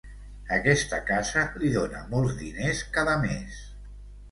Aquesta casa li dona molts diners cada mes.